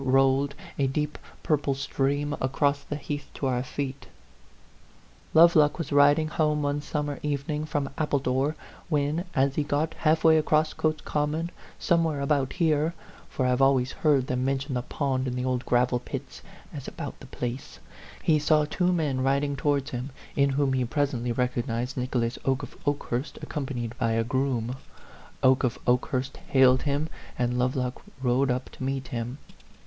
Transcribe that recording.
rolled, a deep purple stream, across the heath to our feet :" Lovelock was riding home one summer evening from Appledore r when, as he had got half way across Cotes Common r somewhere about here for I have always heard them mention the pond in the old gravel pits as about the place he saw two men riding towards him, in whom he presently recog nized Nicholas Oke of Okehurst accompanied by a groom. Oke of Okehurst hailed him, and Lovelock rode up to meet him.